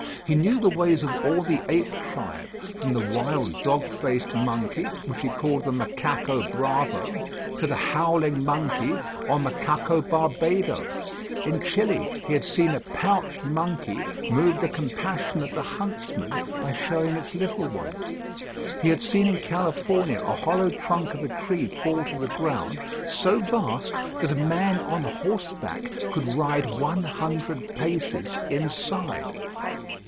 He knew the ways of all the ape tribe, from the wild dog faced monkey, which he called the Macaco bravo, to the howling monkey or Macaco barbado. In Chili, he had seen a pouched monkey move the compassion of the huntsman by showing its little one. He had seen in California a hollow trunk of a tree fall to the ground, so vast that a man on horseback could ride one hundred paces inside.